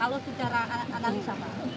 kalau secara analisa pak